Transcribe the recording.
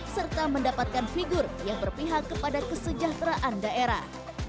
serta mendapatkan figur yang berpihak kepada kesejahteraan daerah